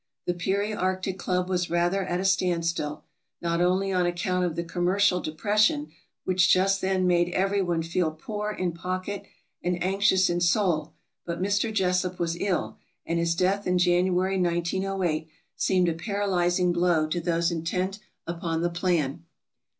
The Peary Arctic Club was rather at a standstill, not only on account of the commercial depression which just then made every one feel poor in pocket and anxious in soul, but Mr. Jesup was ill, and his death in January, 1908, seemed a paralyzing blow to those intent upon the plan.